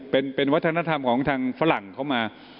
เป็นวัฒนธรรมของทางฝรั่งเข้ามา